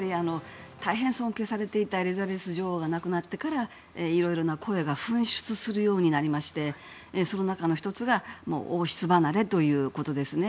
大変尊敬されていたエリザベス女王が亡くなってからいろんな声が噴出するようになりましてその中の１つが王室離れということですね。